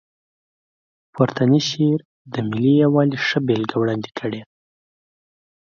پورتنی شعر د ملي یووالي ښه بېلګه وړاندې کړې.